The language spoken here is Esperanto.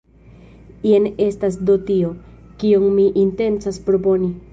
Jen estas do tio, kion mi intencas proponi.